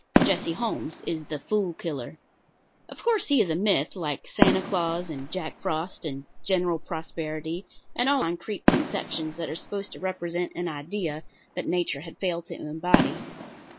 Jesse Holmes is the Fool Killer. Of course he is a myth, like Santa Claus and Jack Frost and General Prosperity and all those concrete conceptions that are supposed to represent an idea that Nature has failed to embody.